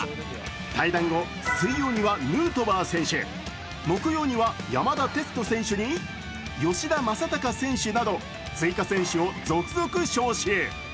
対談後、水曜にはヌートバー選手、木曜には山田哲人選手に吉田正尚選手など追加選手を続々招集。